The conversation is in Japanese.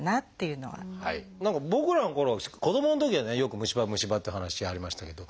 何か僕らのころ子どものときはねよく虫歯虫歯っていう話ありましたけど。